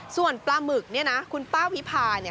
ส่วนปลาหมึกเนี่ยนะคุณป้าวิพาเนี่ย